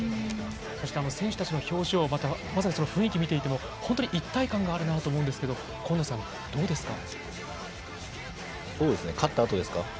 しかも、選手たちの表情まさに雰囲気を見ていても本当に一体感があるなと思うんですけどそうですね。